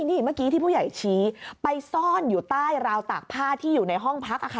นี่เมื่อกี้ที่ผู้ใหญ่ชี้ไปซ่อนอยู่ใต้ราวตากผ้าที่อยู่ในห้องพัก